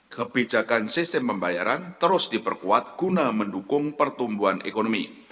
kebijakan sistem pembayaran terus diperkuat guna mendukung pertumbuhan ekonomi